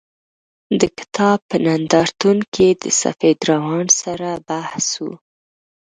د کتاب په نندارتون کې د سفید روان سره بحث و.